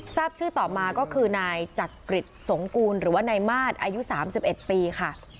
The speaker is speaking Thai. ทราบชื่อต่อมาก็คือนายจัดกฤตสงกูลหรือว่าในมาตรอายุสามสิบเอ็ดปีค่ะ